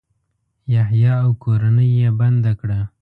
یحیی او کورنۍ یې بنده کړه.